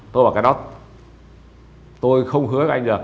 tôi vào cái đó tôi không hứa với anh được